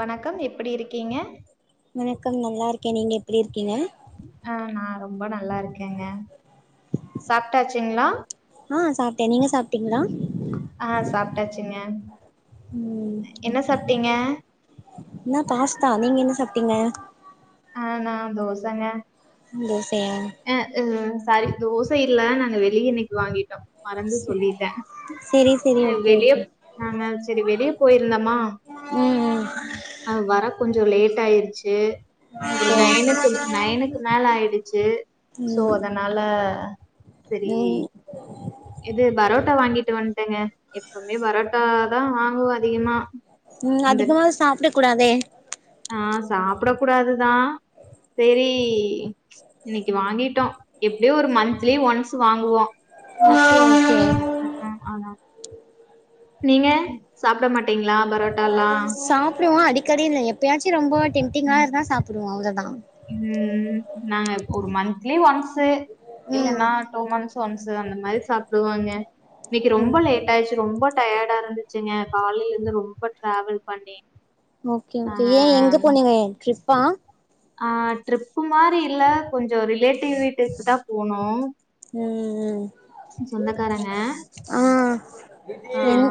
வணக்கம் எப்டி இருக் கீங்க வணக்கம் நல்லா இருக்கே நீங்க எப்டி இருக்கீங்க ஆ நா ரொம்ப நல்லா இருக்கேங்க சாப்டாச்சுங்ளா ஆ சாப்ட நீங்க சாப்டீங்ளா ஆ சாப்ட்டாச்சுங்க. ம் என்ன ஓகே சாப்ட்டீங்க? நா பாஸ்தா நீங்க என்ன சாப்டீங்க ஆ நா தோசங்க சந்தோஸ் அ வ் சாரி தோச இல்ல நாங்க வெளிய இன்னிக் வாங்கிடோ மறந்து சொல்லிட்ட செரி செரி ஓகே ஓகே வெளியப் நாங்க செரி வெளிய போயிருந்தமா ம் ம் அ வரப் கொஞ்சோ லேட்டாய்ருச்சு ஏ ஒரு ஓகே நயனுக்கு நயனுக்கு மேல ஆய்டுச்சு சோ ம் அதனால ஆ ம் இது பரோட்டா வாங்கி ட்டு வன்ட்டங்க எப்பமே பரட்டா தா வாங்குவ அதிகமா ம் இந்த அதிகமா சாப்ட குடாதே சாப்ட குடாதுதா செரி இன்னைக்கு வாங்கிட்டோ எப்டியு ஒரு மன்த்லி ஒன்ஸ் வாங்குவோ ஓகே ஓகே. அ அதா நீங்க சாப்ட மாட் டிங்ளா சாப்டுவோ அடிக்கடி இல்ல எப்ப எப்பயாச்சு ரொம்ப டெம்டிங்கா ம். இருந்தா சாப்டுவோ அவ்ளதா ம் நாங்க ஒரு மன்த்லி ஒன்ஸு இல்ல ம் நா டூ மன் ஸு ஒன்ஸு அந்த மாரி சாப்டுவோங்க இன்னக்கி ரொம்ப ம் லேட் ஆயிச்சு ரொம்ப டயர்டா இருந்து ச்சுங்க காலைலெருந்து ரொம்ப டிராவல் பண்ணி ஓகே ஓகே நாங்க ஏ எங்க போனிங்க ட்ரிப் பா ஆ ட்ரிப்பு மாரி இல்ல கொஞ் சொ ரிலேட்டிவ் வீட்டுக்கு தா போனொ ம் ம் சொந்தக்காரங்க ஆ ஆ என்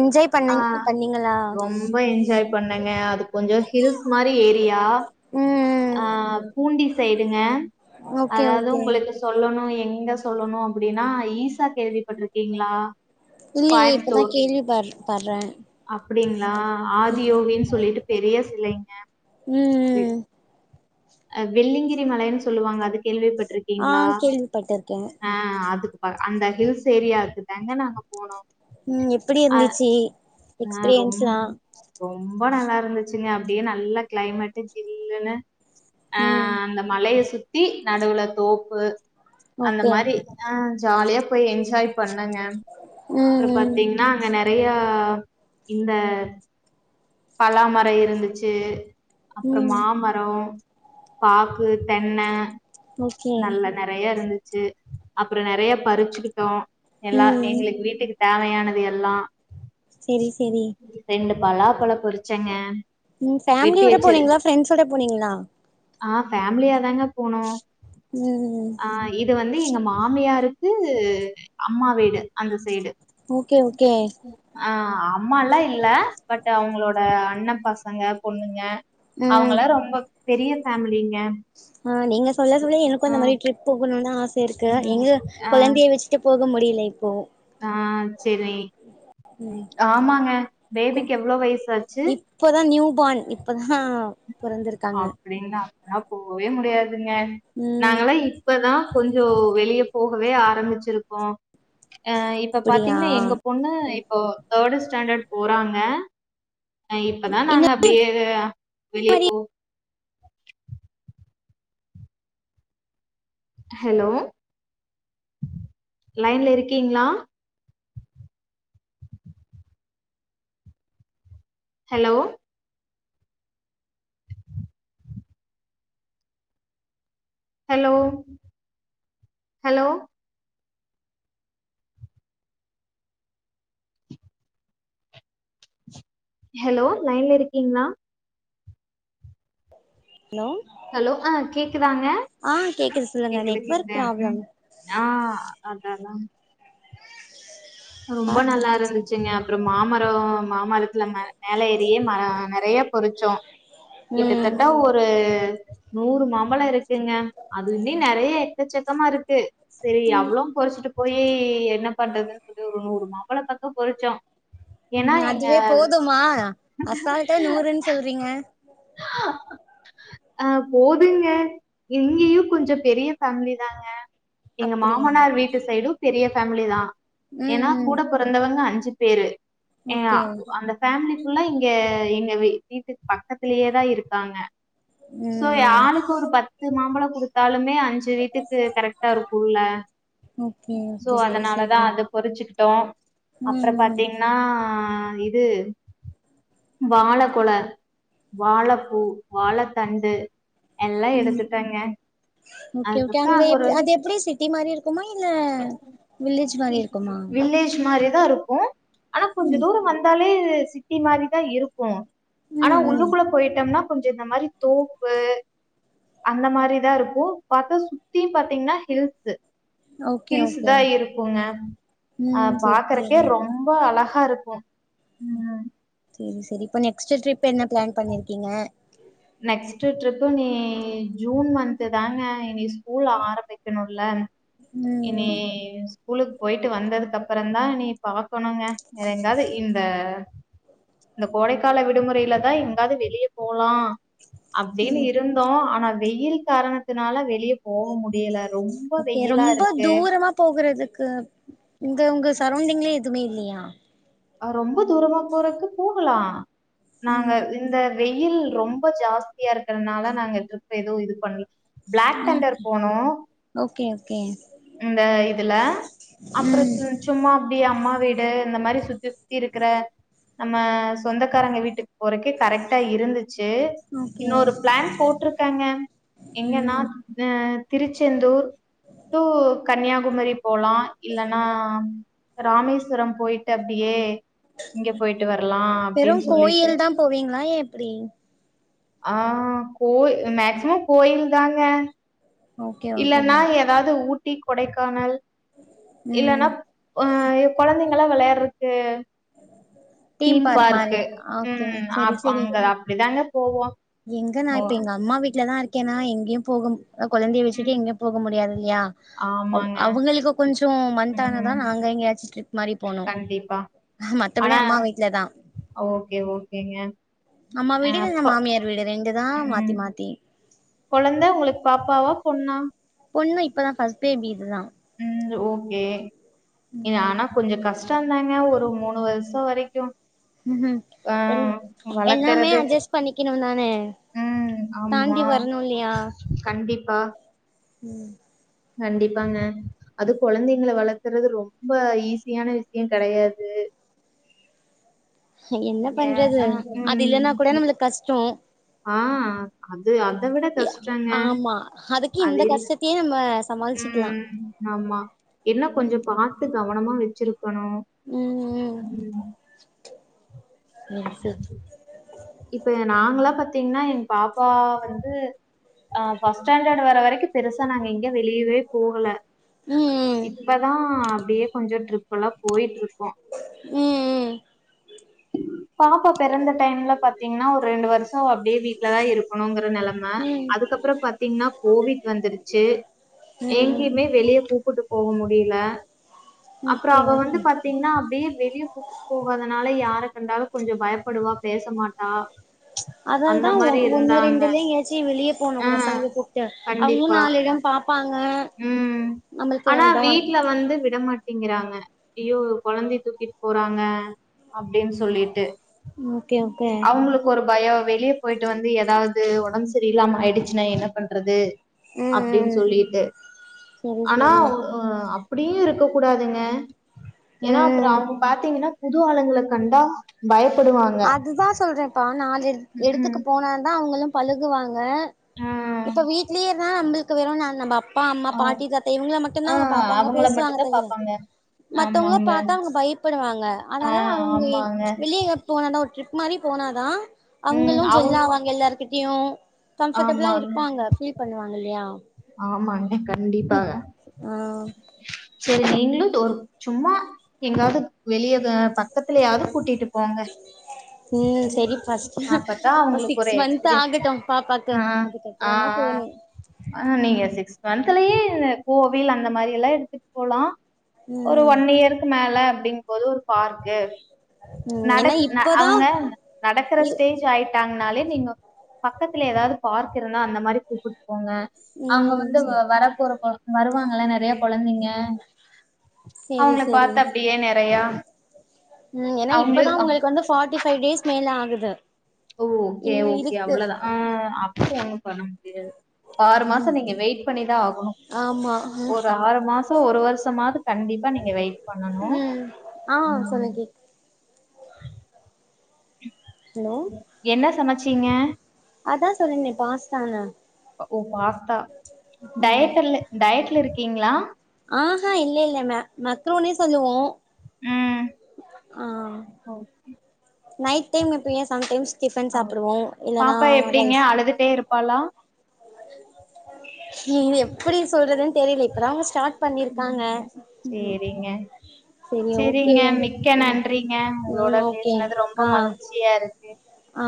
என்ஜாய் பண்ணி ஆ பண்ணீங்களா ரொம்ப என்ஜாய் பண்ணங்க அது கொஞ்சொ ஹில்ஸ் மாரி ஏரி யா ம் ஆ பூண்டி சைடுங்க ஓகே அதாவுது ஓகே உங்களுக்கு சொல்லணு எ ங்க சொல்லணு அப்டினா ஈசா கேள்வி பட்ருக்கீங்ளா? இல்லையே இப்பதா கோயம்புத்தூர் கேள்வி பர் பட்றே அப்டிங்ளா ஆதியோகின் சொல்லிட்டு பெரிய சிலைங்க ம் வெள்ளிங்கிரி மலைன்னு சொல்லுவாங்க அதுக் ஆ கேள்விப்பட்டிருக்கீங்களா கேள்விப்பட்டிருக்கே ஆ அது அந்த ஹில்ஸ் ஏரியாக்கு தாங்க நாங்க போனோ ம் எப்பிடி இருந்துச்சி ஆ ரொம் எக்ஸ்பிரியன்ஸ்லா ரொம்ப நல்லா இருந்துச்சிங்க அப்பிடியே நல்ல கிளைமெட்டு் ஜில்லுன்னு அ ம் அந்த மலைய சுத் த்தி நடுவுல தோப்பு அந்த ஓகே மாரி அ ஜாலியா போய் என்ஜாய் பண்ணுங்க ப்புறோ ம் ம் பாத்தீங்கன்னா அங்க நெ நெறையா இந்த பலாமரோ இருந்துச்சி அப்றோ ம் மாமரொ பாக்கு தென்ன ஓகே நல்ல நெறையா இருந்து ச்சி அப்புறோ நெறையா பறிச்சிக்கிட்டோ எல்லா ம் எங்களுக் வீட் டேவையானது எல்லா சேரி சேரி பலாபழ பொறிச்சங்கே ம் ஃபேமிலியோட போனீங்களா ஃப்ரெண்ட்ஸோட போனீங்களா ஆ ஃபேமிலியாதாங்க போனோ ம் ஆ இது வந்து எங்க மாமியாருக்கு அம்மா வீடு அந்த சைடு ஓகே ஓகே ஆ அம்மல்லா இல்ல பட் அவங்களோட அண்ண பசங்க பொண்ணுங்க ம் அவங்களா ரொம்ப பெரிய ஃபேமிலிங்க ம் நீங்க சொல்ல சொல்ல எனக்கு ஆ அந்த மாரி ட்ரிப் போகணுனு ஆ த்துருக்கு ம் எங்கு ஆ கொழந்தைய வச்சிட்டு போ க்கு முடியல இப்போ ஆ சேரி ம் ஆமாங்க பேபிக்கு எவ்ளோ வயசாச்சி பான் ப்பதா ஹ பொறந்திருக்காங்க ன்னா போவே முடியாது துங்க ம் நாங்கலா இப்பதா கொஞ்சோ வெளியே போ ப்பவே ஆரமிச்சிர்கோ அ இப்ப அப்டியா பாத்தீங்னா எங்க பொண்ண இப் ஓ தோர்டு ஸ்டாண்டர்ட் போறாங்க ஆ இப்பதா இந்த நாங்க அப்பிடியே வெளிய மாரி போ ஹலோ லைன்ல இருக்கீங்களா ஹலோ ஹலோ ஹலோ ஹலோ லைன்ல இருக்கீங்களா ஹலோ ஹலோ ஆ கேக்குதாங்க ஆ அ கேக்குது சொல்லுங்க கேக்குது கேக்குத நெட்வொர்க் ப்ராப்ளம் ம் ஆ அததா ரொம்ப பாத்து நல்லா இருந்துச்ங்க அப்புறோ மாமரோ மாமரத்துல மெ மேல ஏரியே மர நெறய பொறிசோ ம் கிட்டதட்ட ஒரு நூறு மாம்பழ இருக்குங்க அது இன்னி நெறய எக்கசக்கமா இருக்கு சேரி ம் அவ்ளோ பொறிசிட்டு போய் என்ன பண்றதுனு இது ஒரு நூறு மாப்பள பாக்க போய்ர்சோ ம் அதுவே போதுமா அசால்டா நூறுன் சொல்றீங்க அ போதுங்க இங்கேயு கொஞ்சோ பெரிய ஃபேமிலி தாங்க எங்க அப்டியா மாமனார் வீட்டு சைடு பெரியப் ஃபேமிலி தா ஏனா ம் ம் கூட பொறந்தவங்க அஞ் சி பேரு ஏ ஓகே அந்த ஃபேமிலி ஃபியுல்லா இங்க எங்க வீ வீட்டு பக்கத்லேயேதா இருக்காங்க ம் ம் சோயாளுக்கு ஒரு பத்து மாம்பழ துடுத்தாலுமே அ அஞ்சு வீட்டுக்கு கரெடா இருக்குல ஓகே சோ ஓகே செரி அதனாலதா செரி அது வச்சிகிட்டோ ம் அப்பற ம் பாத்தீங்னா ஆ இது வாழ கொள வாழப்பூ வாழத்தண்டு எல்லாம் ம் எடுத்துட்டேங்க ஓகே ஓகே அதுக்கப்புறம் அங்க எப் ஒரு அது எப்டி சிட்டி மாரி இருக்குமா இல்ல வில்லேஜ் மாரி இருக் வில்லேஜ் மா மாரிதா இருக்கும் ஆனா கொஞ்சோ தூரம் வந்தாலே ட்டு சிட்டி மாரிதா இருக்கும் ஆனா ம் ம் உள்ளுகுள்ள போய்டோம்னா கொஞ்சம் இந்த மாரி தோப்பு அந்த மாரி தான் இருக்கும் பாத்த சுத்தீ பாத்தீங்கனா ஹில்ஸ் ஓகே ஹில்ஸ் ஓகே தா இருக்கூங்க ஆ ம் செரி பாக்கறக்கே ரொம்ப அழகா இருக்கும் உம் [inaudible] செரி செரி இப்ப நெக்ஸ்ட்டு டிரிப் என்ன பிளான் பண்ணிருக்கீ கிங்க நெக்ஸ்ட்டு ட்ரிப்பு நீ ஜூன் மந்த்து தாங்க இனி ஸ்கூல் ஆரம்பிக்கணும் இல்ல ம் இன்னேஸ் கூலுகு போயிட்டு வந்ததுக்கப்பற தான் நீ பா போணோங்க வேற எங்காவது இந்த இந்த கோடைகால விடுமுறையில தா எங்காவது வெளிய போலா அப்டினு ம் இருந்தோ ஆனா வெயில் காரணத்தினால வெளிய போக முடியல ரொம்ப ஓகே வெயிலா ரொம்ப இருக்கு தூரமா போகறதுக்கு இங்க உங்க சரௌண்டிங்லே துமே இல்லையா ஆ ரொம்ப தூரமா போறக்கு போகலா நாங்க ம் இந்த வெயில் ரொம்ப ஜாஸ்தியா இருக்கறதுனால நாங்க டிரிப் ஏதுவு இது பண்ல பிளாக் தண்டர் போனோ ஏன் இந்த இதுல அப்றோ ம் சும்மா அப்டி அம்மா வீடு இந்த மாரி சுத்தி சுத்தி இருக்ற நம்ம சொந்தக்காரங்க வீட்டுக்கு போறக்கே கரெக்டா இருந்து ஏ ஓகே இன்னொரு பிளான் போட்டிருக்கேங்க எங்கென்னா ம் ஹு திருச்செந்தூர் [inaudible] டூ கன்னியாகுமரி போகலா இல்லேன்னா ராமேஸ்வரம் போயிட்டு அப்டியே இங்க போயிட்டு வரலா வெறு அப்டின்னு சொல்லிட்டு கோயில் தா போவீங்ளா எப்டி ஆ கோ மேக்சிமம் கோயில் தாங்க ஓகே இல்லன்னா ஓகேங்க ஏதாவது ஊட்டி கொடைக்கானல் ம் இல்லன்னாப் அ கொழந்தைப் இங்களாம் வெளயாடுறத்துக்கு தீம் பார்க் மாரி பார்க்கு ஓகே உம் செரி செரி அங்க அப்டிதாங்க போவோ எங்க நா ஓ இப்ப எங்க அம்மா வீட்லதா இருக்கேன்னா எங்க ஏன் போ கொழந்தைய வச்சுட்டு ம் எங்கேயு போக முடியாது இல்லையா ஆமாங்க அவுங்களுக்கு கொஞ்சம் வந்ட்டாங்கதா ம் நா அங்க எங்கேயாச்சு ட்ரிப்பு கண்டிப்பா ஆனா அம்மா வீட்லதா ஓகே ஓகேங்க அம்மா அ வீடு இல்ல அப்போ மாமியார் வீடு ரெண்டு தா மாத்தி ம் மாத்தி கொழந்த உங்களுக்கு பாப்பாவா பொண்ணா நா ஓகே இது ஆனா கொஞ்சோ கஷ்ட இருந்தே தாங்க ஒரு மூணு வருஷசோ வரைக்கு ஆ உம் எல்லாமே அஜ்ஜஸ்ட் பண்ணிக்கணு நான் சே [unintelligible] உம் ஆமா கண்டிப்பா ம் கண்டிப்பாங்க அது கொழந்தைங்கள வளக்குறது ரொம்ப ஈஸியான விஷ்யோ கெடையாது என்ன ஏ பண்றது ஆ அது ம் இல்லன்னா கூட நம்மளுக்கு கஷ்டோ ஆ அது அத விட கஷ்டங்க ஆமா அதுக்கு இந்த அது கஷ்டத்தையே நம்ம சமாளிச்சுக்கலா ம் ஆமா என்ன ம் கொஞ்சோ பாத்து கவ் கவனமா வெச்சுரு க்கனு ம் சேரி சேரி இப்ப நாங்கலா பாத்தீங்கன்னா என் பாப்பா வந்து அ ஃபஸ்ட் ஸ்டேண்டர்ட் வர வரைக்கு பெருசா நாங்க எங்க வெளியவே போகல ம் இப்பதா அப்டியே கொஞ்சோ ட்ரிப் இப்பல்லா போயிட்ருக் ம் ம் பாப்பா பெறந்த டைம்ல பாத்தீங்கன்னா ஒரு ரெண்டு வருஷோ அப்டியே வீட்லதா இருக்கணுங்குற நெலம அதுக்கப்புறோம் பாத்தீங்கன்னா கோவிட் வந்துருச்சு எங்கேயுமே வெளிய கூப்டுட்டு போ முடில அப்புறோ ஓகே அவ வந்து ஓகே பாத்தீங்கன்னா அப்டியே வெளிய கூப்புட்டு போகாதனால யார் யார கண்டாலு கொஞ்சோ பயப்படுவா பேச மாட்டா அந்த அதாலதா மாரி ஒண்ணு இருந்தாங்க. ரெண்டுல எங்கயாச்சு வெளிய போனு ஆ கூடாது பசங்கள கூப்புட்டு அவங்களு கண்டிப்பா. நாலு எடோ பாப்பாங்க ம் நம்மளுக்கு ஆனா இதா வீட்ல வந்து விட மாட் திங்கிறாங்க ஐயோ கொழந்தை தூக்கிட்டு போறாங்க அப்டின் சொல்லிட்டு ஓகே ஓகே பயோ வெளிய போயிட்டு வந்து எதாவது ஒடம்பு செரி இல்லாம ஆயிடுச்சுன்னா என்ன பண்றது அப்டின் ம் ம் சொல்லிட்டு சரி ஆனா சரி அப்டியு இருக்க கூடாதுங்க ஏன்னா அப்புறோ ம் அவங்க பாத்தீங்கன்னா புது ஆலுங்கள கண்டா பயப் அதுதா சொல்றேப்பா நாலு எடுத் ம்ஹ்ம். எடுத்துக்கு போனாதா அவங்களும் பழுகுவாங்க ஆ, இப்ப வீட்லயே இருந்தா நம்மளுக் க்கு வெறு நாள் நம்பப் அப்பா அம்மா ஆ, பாட்டி தாத்த இவங்கள மட்டுந்தா ஆ அவங்க பாப்பாங்க அவங்கள பேசுவாங்க மட்டும் தான் தவுர பாப்பாங்க. மத்தவங்கள ஆமாங்க. பாத்தா அவங்க பயிப்படுவாங்க ஆ, அதனால அவங்க எங் ஆமாங்க. வெளிய எங்கயாவது ஒரு டிரிப் மாரி போனாதா ம். அவங்களு ஜெல்லா அவங்க ஆவாங்க எல்லாருகிட்டயு கம்ஃப்படபுளா ஆமாங்க, இருப்பாங்க பீல் பண்ணுவாங்க இல் இல்லியா ஆமாங்க கண்டிப்பாக ஆ சேரி நீங்களு டோரு சும்மா எங்காவது வெளியது பக்கத்துலயாது கூட்டிட்டுப் ம் சேரி ஃபஸ்ட் அப்பதான் ஃபஸ்ட்டு அவங்களுக்கு சிக்ஸ் ஒரு மந்த் எக்ஸ்பீரியன்ஸ் ஆகட்டும் பாப்பாக்கு ஆ, ஆ, அதுக்கப்புறோந்தா போணு ஆ நீங்க சிக்ஸ்த் மன்துலயே கோவில் அந்த மாரி எல்லா எடுத்துட் போலா ஒரு ம் ஒன் இயருக்கு மேல அப்டிங்கும் போது ஒரு பார்க்கு ம் ஏன்னா நடக் இப்பதா அவங்க நடக்குற இ ஸ்டேஜ் ஆயிட் விட்டாங்கனாலே நீங்க பக்கத்துல எதாவது பார்க் இருந்தா அந்த மாரி கூப்புட்டு போங்க அவங்க ம் வந்து வ வர போற கொ வருவாங்களா நறையா கொழந்தைங்க சேரி அவங்கள சேரி பாத்து அப்டியே நெறையா ம் ஏன்னா அவங்களு இப்பதா அ- உங்களுக்கு வந்து பார்டி ஃபைவ் டேஸ் மேல ஆகுது ஓ ஓகே இன்னு ஓகே இருக்கு அவ்ளோதா ஆ அப்டியாங் பணம் முடியாது ஆறு மாசோ நீங்க வெயிட் பண்ணிதா ஆகணு ஆமா ம் ஒரு ஆறு மாசோ ஒரு வருஷமாது கண்டிப்பா நீங்க வெயிட் பண்ணணு ம் ஆ சொல்லுங் கேக்குது ஹலோ என்ன சமச் ச்சீங்க அதா சொன்னனே பாஸ்தானு ஓ பாஸ்த் தா ம் டயட் அல்லே டயட்ல இருக்கிங் கிங்களா ஆஹா இல்ல இல்ல மே மக் மக்ரூனின் சொல்லுவோ ம் ஆ ஓ, நைட் டைம் எப்பயா சம்டைம்ஸ் டிஃபன் ஆ. சாப்புடுவோ இல்லன்னா பாப்பா எப்டிங்க ரைஸ் அழுதுட்டே இருப்பாளா நீ இது எப்புடி சொல்றதுன் தெரில இப்ப தாங்க ஸ்டார்ட் பண்ணிருக்காங்க சேரிங்க செரி ஓகே சேரிங்க மிக்க ம் ஓகேங் ப மகிழ்ச்சியா இரு ந்தது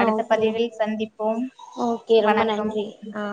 அடுத்த ஓகே பதிவில் சந்திப்போம் ஓகே ரொம்ப வணக்கம் நன்றி ஆ